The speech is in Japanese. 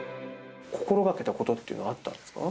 心がけたことっていうのはあったんですか。